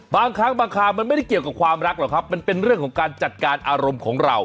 บางครั้งบางคราวมันไม่ได้เกี่ยวกับความรักหรอกครับมันเป็นเรื่องของการจัดการอารมณ์ของเรา